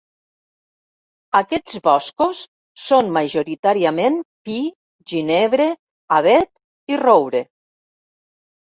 Aquests boscos són majoritàriament pi, ginebre, avet i roure.